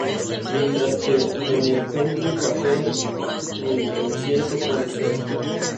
Mientras que en el Penguin Cafe tu inconsciente puede ser.